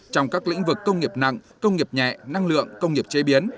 trong các lĩnh vực công nghiệp nặng công nghiệp nhẹ năng lượng công nghiệp chế biến